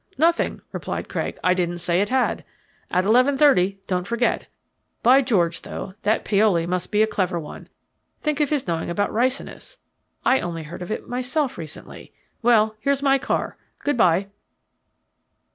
"Nothing," replied Craig. "I didn't say it had. At eleven thirty, don't forget. By George, though, that Paoli must be a clever one think of his knowing about ricinus. I only heard of it myself recently. Well, here's my car. Good bye."